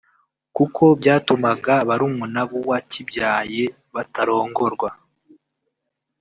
kuko byatumaga barumuna b’uwakibyaye batarongorwa